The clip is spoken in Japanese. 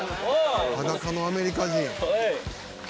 「裸のアメリカ人や」